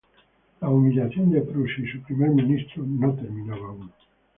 La humillación de Prusia y su primer ministro no terminaba aún.